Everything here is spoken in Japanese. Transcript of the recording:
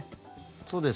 そうです。